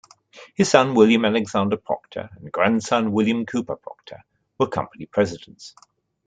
His son William Alexander Procter and grandson William Cooper Procter were company presidents.